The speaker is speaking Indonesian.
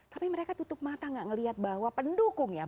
tapi mereka tutup mata tidak melihat bahwa pendukungnya